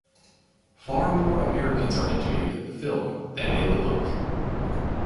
Far more Americans are interviewed in the film than in the book.